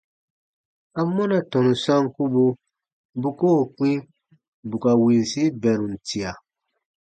Amɔna tɔnu sankubu bu koo kpĩ bù ka winsi bɛrum tia?